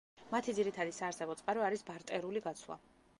მათი ძირითადი საარსებო წყარო არის ბარტერული გაცვლა.